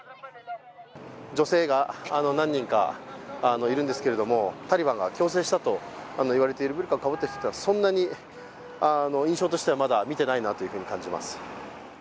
女性が何人かいるんですけれども、タリバンが強制したといわれてブルカかぶった人はそんなに印象としてはまだ見てないなというふうに感じます。